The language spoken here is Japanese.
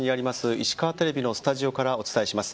石川テレビのスタジオからお伝えします。